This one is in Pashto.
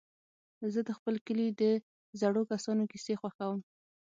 زه د خپل کلي د زړو کسانو کيسې خوښوم.